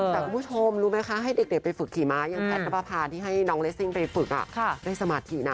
แต่คุณผู้ชมรู้ไหมคะให้เด็กไปฝึกขี่ม้ายังแพทย์นับประพาที่ให้น้องเลสซิ่งไปฝึกได้สมาธินะ